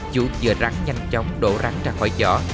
chú chừa rắn nhanh chóng đổ rắn ra khỏi chỏ